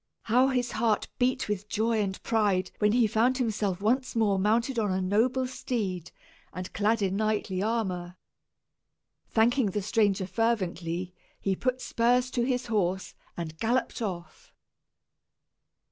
How his heart beat with joy and pride when he found himself once more mounted on a noble steed, and clad in knightly armor! Thanking the stranger fervently, he put spurs to his horse, and galloped off.